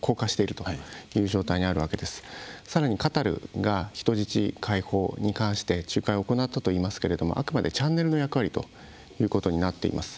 さらにカタールが人質解放に対して仲介を行ったといいますけれどもあくまでチャンネルの役割ということになっています。